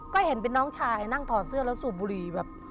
ก็เห็นเป็นน้องชายนั่งถอดเสื้อแล้วสูบบุหรี่แบบ